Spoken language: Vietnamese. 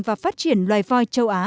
và phát triển loài voi châu á